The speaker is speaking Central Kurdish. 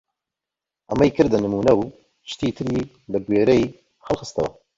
ئەمەی کردە نموونە و شتی تری لە گوێرەی هەڵخستەوە!